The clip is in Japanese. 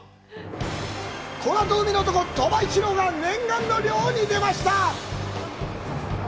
このあと、海の男、鳥羽一郎が念願の漁へ出ました！